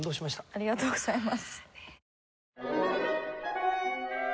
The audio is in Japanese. ありがとうございます。